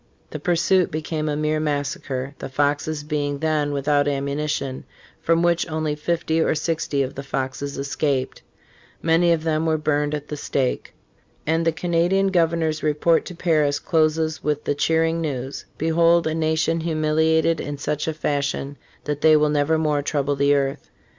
The pursuit became a mere massacre (the Foxes being then without ammunition), from which only fifty or sixty of the Foxes escaped. Many of them were burned at the stake. And the Canadian governor's report to Paris closes with the cheering news : "Behold a nation humiliated in such a fash ion that they will nevermore trouble the earth."